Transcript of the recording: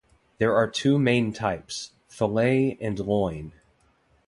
There are two main types, fillet and loin.